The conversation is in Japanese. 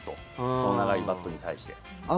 この長いバットに対して。